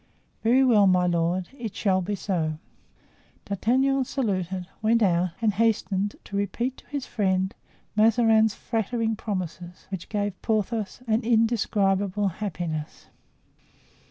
"Very well, my lord; it shall be so." D'Artagnan saluted, went out and hastened to repeat to his friend Mazarin's flattering promises, which gave Porthos an indescribable happiness.